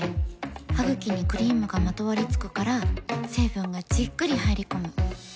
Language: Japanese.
ハグキにクリームがまとわりつくから成分がじっくり入り込む。